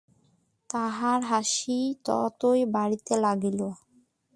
তাহার হাসিও ততই বাড়িতে লাগিল।